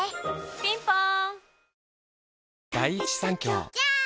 ピンポーン